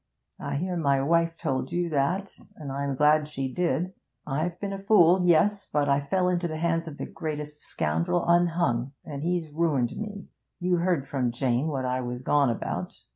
I hear my wife told you that, and I'm glad she did. I've been a fool, yes; but I fell into the hands of the greatest scoundrel unhung, and he's ruined me. You heard from Jane what I was gone about.